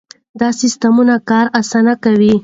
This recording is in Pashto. دا سیستمونه کار اسانه کوي.